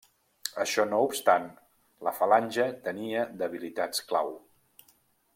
Això no obstant, la falange tenia debilitats clau.